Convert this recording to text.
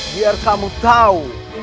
biar kamu tahu